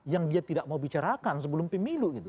yang dia tidak mau bicarakan sebelum pemilu gitu